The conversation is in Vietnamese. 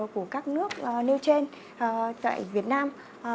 của các nước nêu trên tại việt nam